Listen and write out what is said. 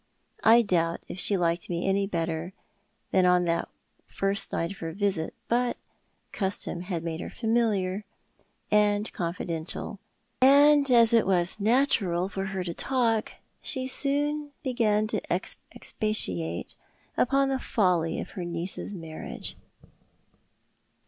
I doubt if she liked me any better than on the first night of her visit; but custom had made her familiar and confidential, and as it was natural for her to talk, she soon began to expatiate ujwn the folly of her niece's marriage.